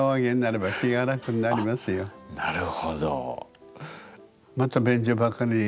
あなるほど。